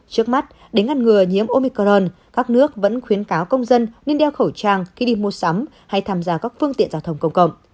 trước mắt để ngăn ngừa nhiễm omicorn các nước vẫn khuyến cáo công dân nên đeo khẩu trang khi đi mua sắm hay tham gia các phương tiện giao thông công cộng